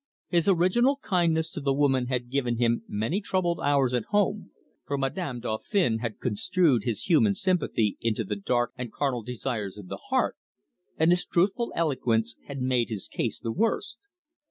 His original kindness to the woman had given him many troubled hours at home, for Madame Dauphin had construed his human sympathy into the dark and carnal desires of the heart, and his truthful eloquence had made his case the worse.